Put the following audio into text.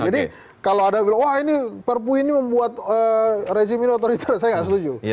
jadi kalau ada yang bilang wah ini perpu ini membuat rezim ini otoriter saya gak setuju